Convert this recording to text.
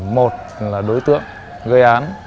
một là đối tượng gây án